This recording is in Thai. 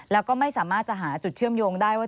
แล้วก็ไม่สามารถจะหาจุดเชื่อมโยงได้ว่า